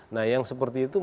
nah yang seperti itu masih pun